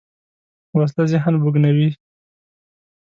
وسله ذهن بوږنوې